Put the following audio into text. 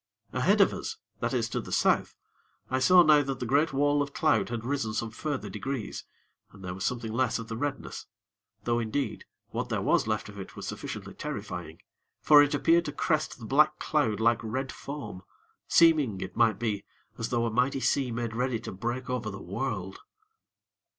Ahead of us, that is to the South, I saw now that the great wall of cloud had risen some further degrees, and there was something less of the redness; though, indeed, what there was left of it was sufficiently terrifying; for it appeared to crest the black cloud like red foam, seeming, it might be, as though a mighty sea made ready to break over the world.